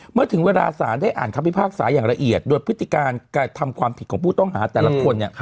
เมื่อถึงเวลาสารได้อ่านคำพิพากษาอย่างละเอียดโดยพฤติการการทำความผิดของผู้ต้องหาแต่ละคนเนี่ย